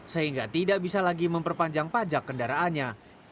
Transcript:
sehingga tidak bisa lagi memperpanjang pajak kendaraannya